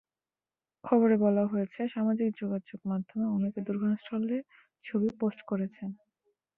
খবরে বলা হয়েছে, সামাজিক যোগাযোগ মাধ্যমে অনেকে দুর্ঘটনাস্থলের ছবি পোস্ট করেছেন।